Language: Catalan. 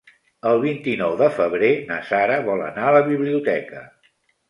El vint-i-nou de febrer na Sara vol anar a la biblioteca.